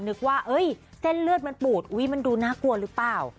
นึกว่าเส้นเลือดมันปูดอุ๊ยมันดูน่ากลัวหรือเปล่า